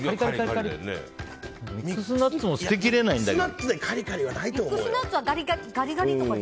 ミックスナッツも捨てきれないんだよね。